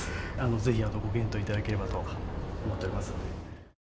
ぜひ、ご検討いただければと思っております。